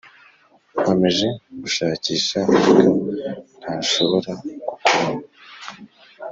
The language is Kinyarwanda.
nkomeje gushakisha ariko ntashobora kukubona